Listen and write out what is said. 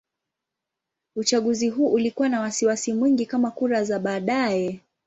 Uchaguzi huu ulikuwa na wasiwasi mwingi kama kura za baadaye.